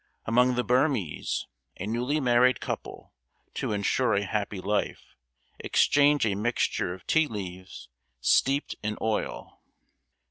Among the Burmese a newly married couple, to insure a happy life, exchange a mixture of tea leaves steeped in oil.